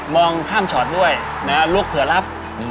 องข้ามชอตด้วยลุกเผื่อรับ